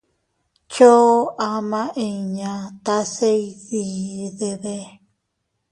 Choʼo ama inña tase iydidebe.